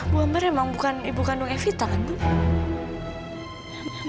bu amer emang bukan ibu kandung evita kan bu